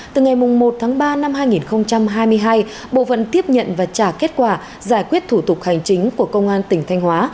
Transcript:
từ ngày một tháng ba năm hai nghìn hai mươi hai bộ phận tiếp nhận và trả kết quả giải quyết thủ tục hành chính của công an tỉnh thanh hóa